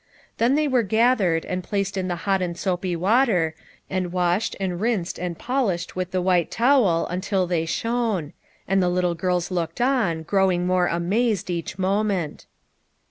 Then they were gathered, and placed in the hot and soapy water, and washed and rinsed and pojished with the white towel until they shone; and the little girls looked on, growing more amazed each moment.